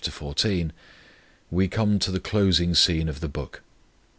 5 14) we come to the closing scene of the book.